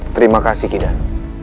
terima kasih kidan